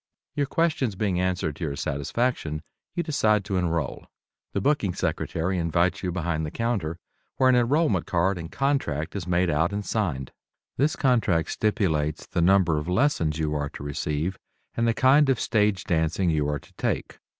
Your questions being answered to your satisfaction, you decide to enroll. The booking secretary invites you behind the counter, where an enrollment card and contract is made out and signed. This contract stipulates the number of lessons you are to receive and the kind of stage dancing you are to take.